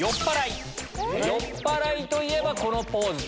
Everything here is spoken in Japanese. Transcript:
酔っぱらいといえばこのポーズ。